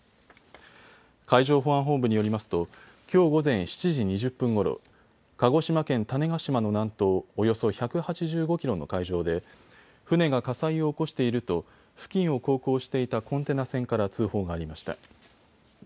海上保安本部によりますときょう午前７時２０分ごろ、鹿児島県種子島の南東、およそ１８５キロの海上で船が火災を起こしていると付近を航行していたコンテナ船から通報がありました。